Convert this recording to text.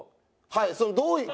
はい。